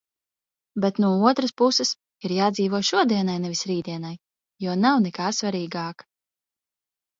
Bet no otras puses - ir jādzīvo šodienai nevis rītdienai, jo nav nekā svarīgāka.